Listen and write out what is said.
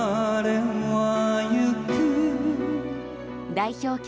代表曲